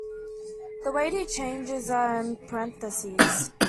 The Wadey changes are in parentheses.